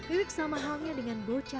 iwik sama halnya dengan bocah